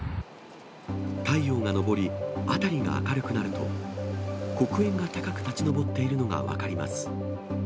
太陽が昇り、辺りが明るくなると、黒煙が高く立ち上っているのが分かります。